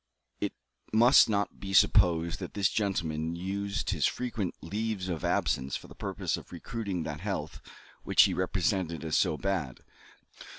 It must not be supposed that this gentleman used his frequent "leaves of absence" for the purpose of recruiting that health which he represented as so bad.